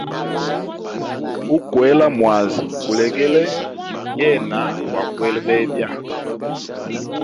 Ukwela mwazi ngulegele, yena gwa kwele bebya.